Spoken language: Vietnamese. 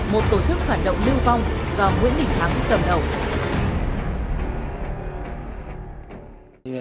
một tổ chức hoạt động lưu vong do nguyễn định thắng cầm đầu